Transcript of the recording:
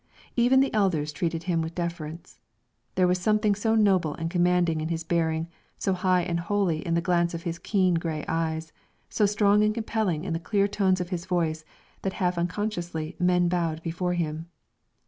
Even the elders treated him with deference. There was something so noble and commanding in his bearing, so high and holy in the glance of his keen grey eyes, so strong and compelling in the clear tones of his voice, that half unconsciously men bowed before him.